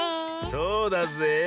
そうだぜえ。